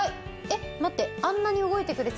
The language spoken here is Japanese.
えっ待って。